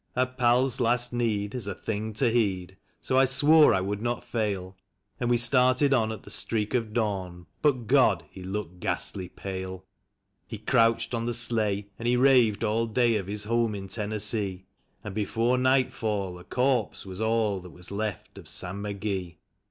37 A pal's last need is a thing to heed, so I swore I would not fail; And we started on at the streak of dawn, but God! he looked ghastly pale. He crouched on the sleigh, and he raved all day of his home in Tennessee; And before nightfall a corpse was all that was left of Sam McGee.